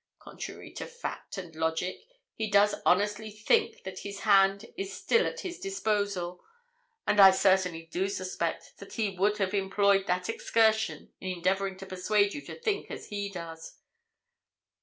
Contrary to fact and logic, he does honestly think that his hand is still at his disposal; and I certainly do suspect that he would have employed that excursion in endeavouring to persuade you to think as he does.